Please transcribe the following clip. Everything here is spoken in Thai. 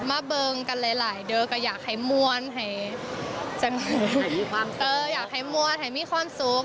มาเบิ่งกันหลายเดี๋ยวก็อยากให้มวลให้มีความสุข